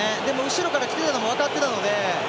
後ろから来てたのも分かってたので。